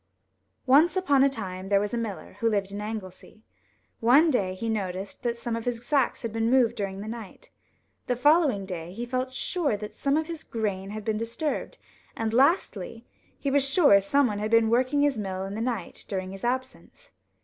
ONCE upon a time there was a miller, who lived in Anglesey. One day he noticed that some of his sacks had been moved during the night. The following day he felt sure that some of his grain had been disturbed, and, lastly, he was sure someone had been working his mill in the night during his absence.